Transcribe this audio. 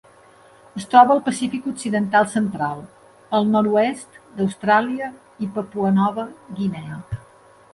Es troba al Pacífic occidental central: el nord-oest d'Austràlia i Papua Nova Guinea.